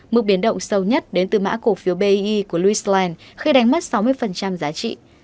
mức biến động sâu nhất đến từ mã cổ phiếu bii của lewis land khi đánh mất sáu mươi giá trị